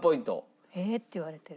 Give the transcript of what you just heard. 「え」って言われてる。